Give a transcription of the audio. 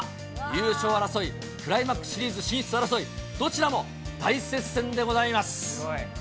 優勝争い、クライマックスシリーズ進出争い、どちらも大接戦でございます。